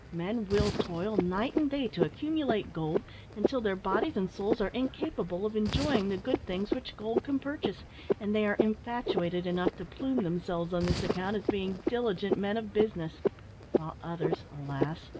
Men will toil night and day to accumulate gold, until their bodies and souls are incapable of enjoying the good things which gold can purchase, and they are infatuated enough to plume themselves on this account, as being diligent men of business; while others, alas!